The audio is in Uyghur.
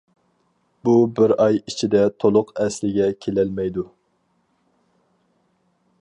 بۇ بىر ئاي ئىچىدە تولۇق ئەسلىگە كېلەلمەيدۇ.